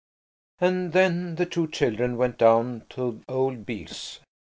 And then the two children went down to old Beale's.